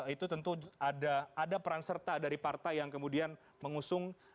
itu tentu ada peran serta dari partai yang kemudian mengusung